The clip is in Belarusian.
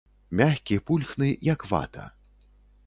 Мяккі, пульхны, як вата.